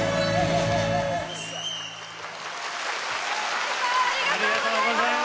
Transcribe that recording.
ＡＩさんありがとうございました。